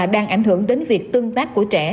đang ảnh hưởng đến việc tương tác của trẻ